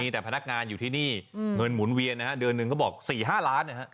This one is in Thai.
แต่พนักงานอยู่ที่นี่เงินหมุนเวียนนะฮะเดือนหนึ่งก็บอก๔๕ล้านนะฮะ